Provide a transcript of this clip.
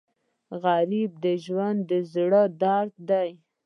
غریب د ژوند د زړه درد دی